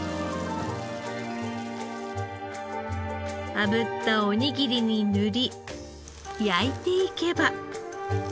炙ったおにぎりに塗り焼いていけば。